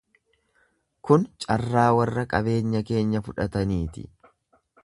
Kun carraa warra qabeenya keenya fudhataniiti.